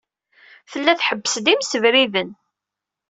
Tella tḥebbes-d imsebriden.